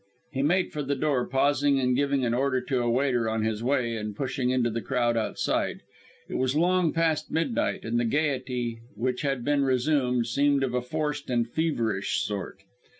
He made for the door, pausing and giving an order to a waiter on his way, and pushed into the crowd outside. It was long past midnight, and the gaiety, which had been resumed, seemed of a forced and feverish sort.